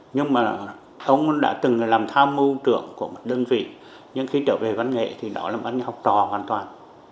nhưng mà ông đã từng là làm tham mưu trưởng của một đơn vị nhưng khi trở về văn nghệ thì đó là văn học trò hoàn toàn